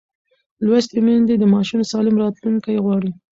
لوستې میندې د ماشوم سالم راتلونکی غواړي.